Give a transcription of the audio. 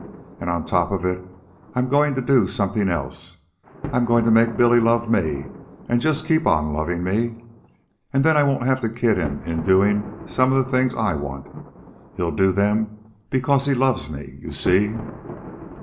"And on top of it I'm going to do something else, I'm going to make Billy love me and just keep on loving me. And then I won't have to kid him into doing some of the things I want. He'll do them because he loves me, you see."